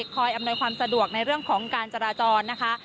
อำนวยความสะดวกในเรื่องของการจราจรนะคะ